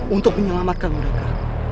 untuk menyelamatkan mereka